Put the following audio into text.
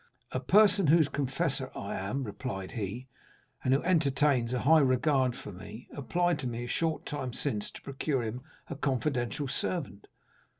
"'A person, whose confessor I am,' replied he, 'and who entertains a high regard for me, applied to me a short time since to procure him a confidential servant.